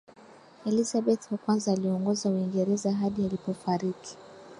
elizabeth wa kwanza aliongoza uingereza hadi alipofariki